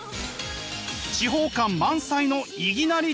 地方感満載のいぎなり東北産。